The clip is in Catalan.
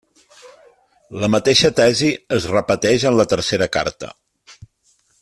La mateixa tesi es repeteix en la tercera carta.